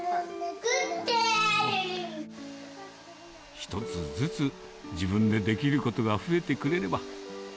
一つずつ、自分でできることが増えてくれれば。